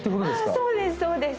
そうです。